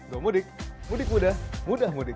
gomudik mudik mudah mudah mudik